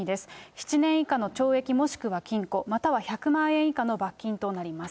７年以下の懲役、もしくは禁錮、または１００万円以下の罰金となります。